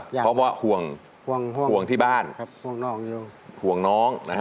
เพราะว่าห่วงที่บ้านห่วงน้อง